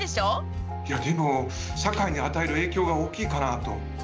いやでも社会に与える影響が大きいかなと。